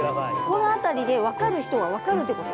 この辺りで分かる人は分かるってこと？